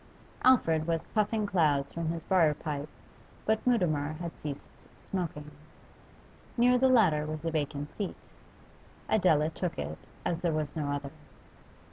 Alfred was puffing clouds from his briar pipe, but Mutimer had ceased smoking. Near the latter was a vacant seat; Adela took it, as there was no other.